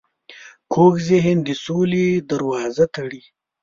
کوږ ذهن د سولې دروازه تړي